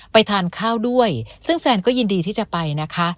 ทานข้าวด้วยซึ่งแฟนก็ยินดีที่จะไปนะคะ